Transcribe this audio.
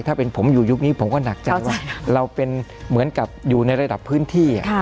ถ้าเป็นผมอยู่ยุคนี้ผมเข้าใจเหมือนกับอยู่ในระดับพื้นที่